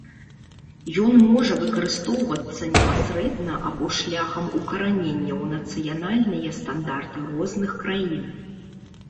Ён можа выкарыстоўвацца непасрэдна або шляхам укаранення ў нацыянальныя стандарты розных краін.